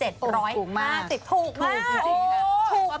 ถูกมากนะครับตอนแรกก็ไม่ใช่ราคา